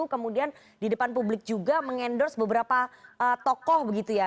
kemudian di depan publik juga mengendorse beberapa tokoh begitu ya